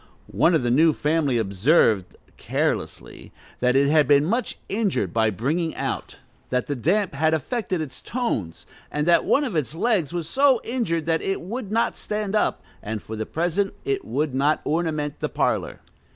One of the new family observed, carelessly, "that it had been much injured by bringing out, that the damp had affected its tones, and that one of its legs was so injured that it would not stand up, and for the present it would not ornament the parlor."